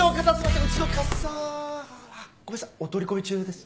うちの笠原ごめんなさいお取り込み中です？